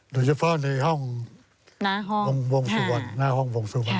โดยเฉพาะในห้องหน้าห้องวงสุวรรณ